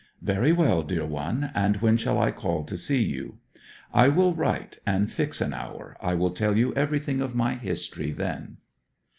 'Very well, dear one. And when shall I call to see you?' 'I will write and fix an hour. I will tell you everything of my history then.'